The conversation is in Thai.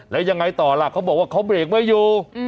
แล้วยังไงต่อล่ะเขาบอกว่าเขาเบรกไม่อยู่